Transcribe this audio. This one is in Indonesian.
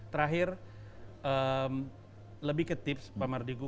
terakhir lebih ke tips pak mardigu